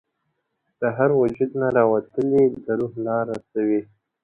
د هر وجود نه راوتلې د روح لاره سوې;